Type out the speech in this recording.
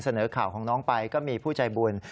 เสนอข่าวของน้องไปก็มีผู้ใจบุญ